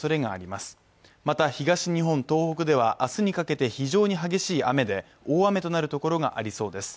また東日本、東北では明日にかけて非常に激しい雨で大雨となるところがありそうです。